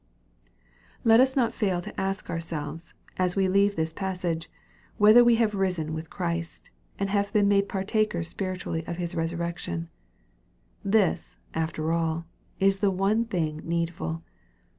Let us not fail to ask ourselves, as we leave this pas sage, whether we have risen with Christ, and been made partakers spiritually of His resurrection. This, after all, is the one thing needful.